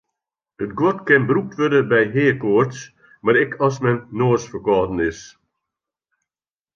It guod kin brûkt wurde by heakoarts mar ek as men noasferkâlden is.